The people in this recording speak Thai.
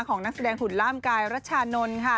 นักแสดงหุ่นล่ามกายรัชานนท์ค่ะ